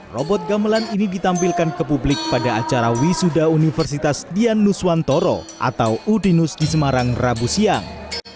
robot gamelan ini ditampilkan ke publik pada acara wisuda universitas dianuswantoro atau udinus di semarang rabu siang